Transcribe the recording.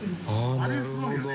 あれすごいよね